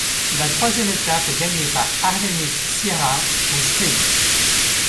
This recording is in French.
La troisième étape est gagnée par Arlenis Sierra au sprint.